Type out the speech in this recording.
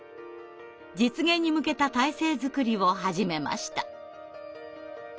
実現に向けた体制作りを始めました。